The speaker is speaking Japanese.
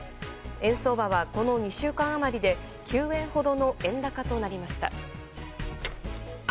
円相場はこの２週間余りで９円ほどの円高となりました。